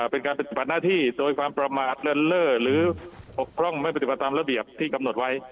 เป็นการปฏิบัติหน้าที่โดยความประมาทเลินเล่อหรือปกพร่องไม่ปฏิบัติตามระเบียบที่กำหนดไว้